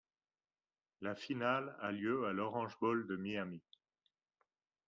La finale a lieu à l'Orange Bowl de Miami.